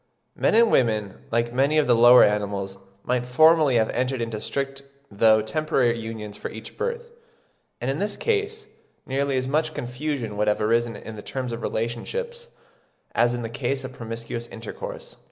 Men and women, like many of the lower animals, might formerly have entered into strict though temporary unions for each birth, and in this case nearly as much confusion would have arisen in the terms of relationship as in the case of promiscuous intercourse.